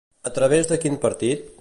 A través de quin partit?